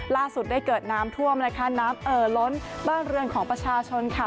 ได้เกิดน้ำท่วมนะคะน้ำเอ่อล้นบ้านเรือนของประชาชนค่ะ